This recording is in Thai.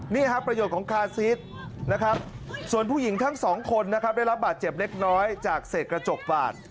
นี่ครับประโยชน์ของคาซิสนะครับส่วนผู้หญิงทั้งสองคนนะครับได้รับบาดเจ็บเล็กน้อยจากเศษกระจกบาด